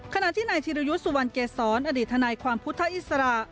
ขณะที่นายธิรยุทธ์สุวรรณเกษรอดีตทนายความพุทธอิสระ